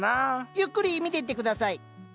ゆっくり見ていって下さい。